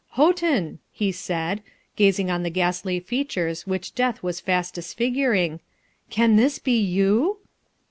'Houghton!' he said, gazing on the ghastly features which death was fast disfiguring, 'can this be you?'